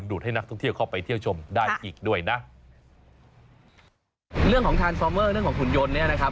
เรื่องของขุนยนต์เนี้ยนะครับ